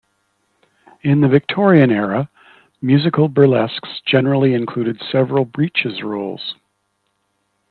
In the Victorian era, musical burlesques generally included several breeches roles.